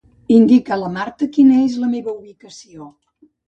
Indica a la Marta quina és la meva ubicació.